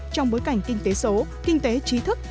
trong bối cảnh kinh tế số kinh tế trí thức